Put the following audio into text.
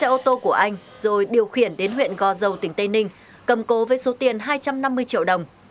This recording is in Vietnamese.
ô tô của anh rồi điều khiển đến huyện gò dầu tỉnh tây ninh cầm cố với số tiền hai trăm năm mươi triệu đồng